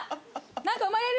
何か生まれる。